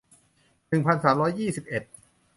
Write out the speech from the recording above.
หนึ่งพันสามร้อยยี่สิบเอ็ด